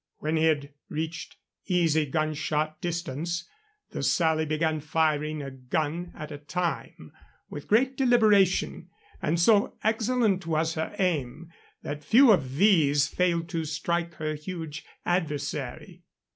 When he had reached easy gunshot distance, the Sally began firing a gun at a time with great deliberation, and so excellent was her aim that few of these failed to strike her huge adversary.